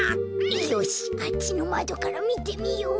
よしあっちのまどからみてみよう。